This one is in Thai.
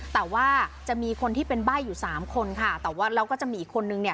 แต่ว่าจะมีคนที่เป็นใบ้อยู่สามคนค่ะแต่ว่าเราก็จะมีอีกคนนึงเนี่ย